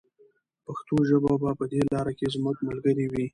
پښتو ژبه به په دې لاره کې زموږ ملګرې وي.